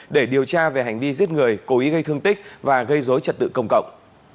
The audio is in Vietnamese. để điều tra về hành vi giết người cố ý gây thương tích và gây dối trật tự công cộng